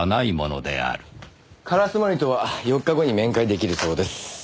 烏森とは４日後に面会出来るそうです。